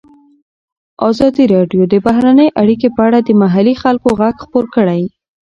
ازادي راډیو د بهرنۍ اړیکې په اړه د محلي خلکو غږ خپور کړی.